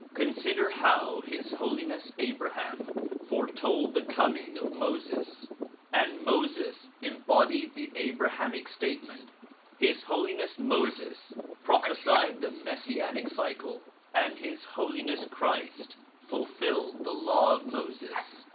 Consider how His Holiness Abraham foretold the coming of Moses and Moses embodied the Abrahamic statement. His Holiness Moses prophesied the messianic cycle and His Holi ness Christ fulfilled the law of Moses.